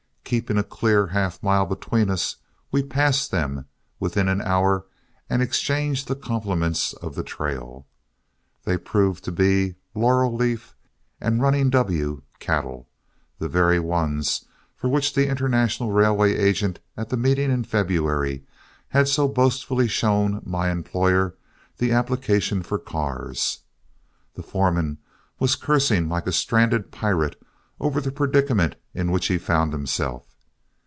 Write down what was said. Keeping a clear half mile between us, we passed them within an hour and exchanged the compliments of the trail. They proved to be "Laurel Leaf" and "Running W" cattle, the very ones for which the International Railway agent at the meeting in February had so boastfully shown my employer the application for cars. The foreman was cursing like a stranded pirate over the predicament in which he found himself.